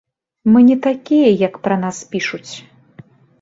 Мы не такія, як пра нас пішуць.